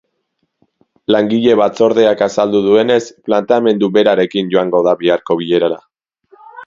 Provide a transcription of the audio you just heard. Langile batzordeak azaldu duenez, planteamendu berarekin joango da biharko bilerara.